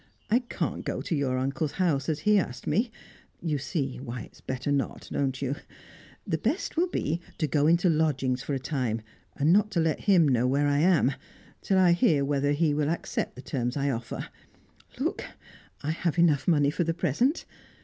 I can't go to your uncle's house, as he asked me; you see why it is better not, don't you? The best will be to go into lodgings for a time, and not to let him know where I am, till I hear whether he will accept the terms I offer. Look, I have enough money for the present."